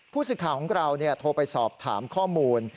ผู้สื่อข่าวของเราโทรไปสอบถามข้อมูล